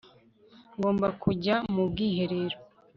ngomba kujya mu bwiherero